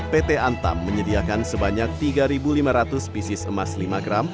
pt antam menyediakan sebanyak tiga lima ratus pieces emas lima gram